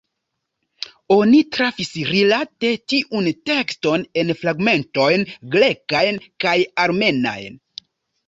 Oni trafis, rilate tiun tekston, en fragmentojn grekajn kaj armenajn.